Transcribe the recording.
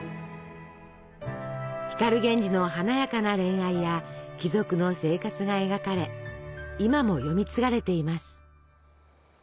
光源氏の華やかな恋愛や貴族の生活が描かれ今も読み継がれています。